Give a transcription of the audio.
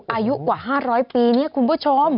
อายุกว่า๕๐๐ปีเนี่ยคุณผู้ชม